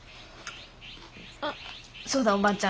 んそうだおばあちゃん。